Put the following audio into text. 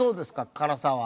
辛さは。